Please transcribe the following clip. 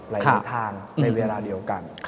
หลายทางในเวลาเดียวกัน